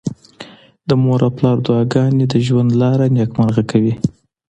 د مور او پلار دعاګانې د ژوند لاره نېکمرغه کوي.